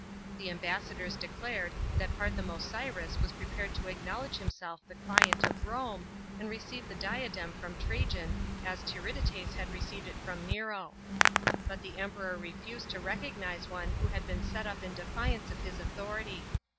The ambassadors declared that Parthomasiris was prepared to acknowledge himself the client of Rome, and receive the diadem from Trajan as Tiridates had received it from Nero. But the Emperor refused to recognise one who had been set up in defiance of his authority.